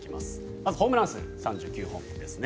まずホームラン数３９本ですね。